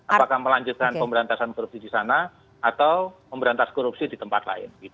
apakah melanjutkan pemberantasan korupsi di sana atau memberantas korupsi di tempat lain